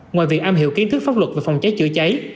ngoài việc am hiểu kiến thức pháp luật về phòng cháy chữa cháy